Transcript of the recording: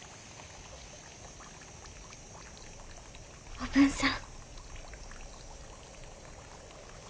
おぶんさん。